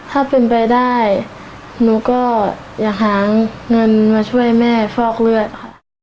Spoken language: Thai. ถ้าเป็นไปได้หนูก็อยากหาเงินมาช่วยแม่ฟอกเลือดค่ะ